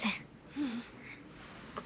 ううん。